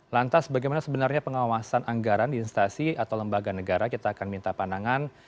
lantas bagaimana sebenarnya pengawasan anggaran di instansi atau lembaga negara kita akan minta pandangan